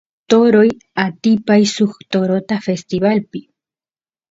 toroy atipay suk torota festivalpi